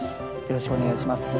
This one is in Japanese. よろしくお願いします。